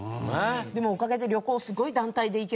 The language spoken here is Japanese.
でもおかげで旅行すごい団体で行けるから。